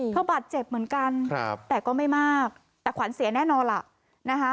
บาดเจ็บเหมือนกันแต่ก็ไม่มากแต่ขวัญเสียแน่นอนล่ะนะคะ